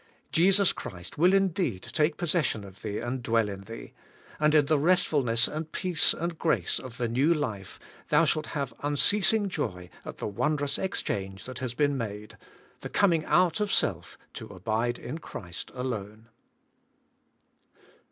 Jesus Christ will indeed take possession of thee and dwell in thee; and in the restfulness and peace and grace of the new life thou shalt have unceasing joy at the wondrous exchange that has been made, — the coming out of self to abide in Christ alone.